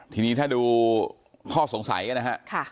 ทีนี้ถ้าดูข้อสงสัยนะครับ